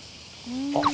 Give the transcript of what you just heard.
あっ！